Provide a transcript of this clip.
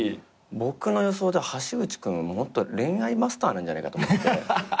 僕の予想では橋口君は恋愛マスターなんじゃないかと思って。